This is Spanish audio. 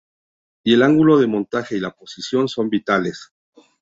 Y el ángulo de montaje y la posición son vitales.